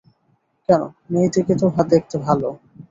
কেন, মেয়েটিকে তো দেখতে ভালো।